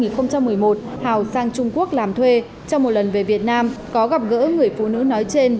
năm hai nghìn một mươi một hào sang trung quốc làm thuê trong một lần về việt nam có gặp gỡ người phụ nữ nói trên